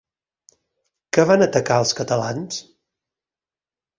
Què van atacar els catalans?